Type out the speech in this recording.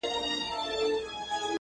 o ته مي بزې وهه، زه به دي روژې وهم.